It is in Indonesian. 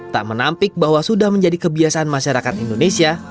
tak menampik bahwa sudah menjadi kebiasaan masyarakat indonesia